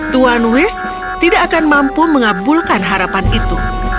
tuan wish tidak akan mampu mengabulkan harapan itu